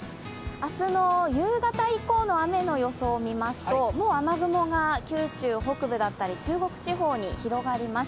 明日の夕方以降の雨の予想を見ますともう雨雲が九州北部だったり、中国地方に広がります。